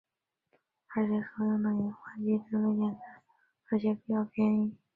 而且所用的引发剂制备简单而且比较便宜。